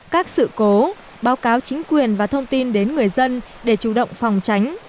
các sự cố báo cáo chính quyền và thông tin đến người dân để chủ động phòng tránh